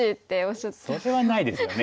それはないですよね。